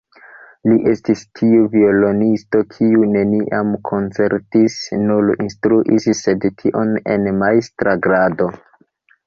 Li estis tiu violonisto, kiu neniam koncertis, nur instruis, sed tion en majstra grado.